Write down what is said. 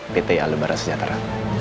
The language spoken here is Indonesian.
pt alembara sejahtera